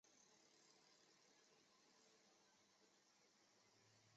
姚绪羌人。